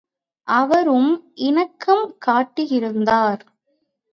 அவரும் இணக்கம் காட்டியிருந்தார்.